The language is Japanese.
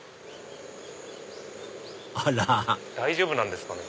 あら大丈夫なんですかね。